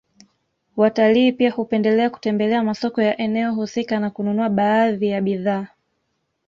Watalii pia hupendelea kutembelea masoko ya eneo husika na kununua baadhi ya bidhaa